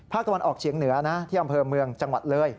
ตะวันออกเฉียงเหนือนะที่อำเภอเมืองจังหวัดเลย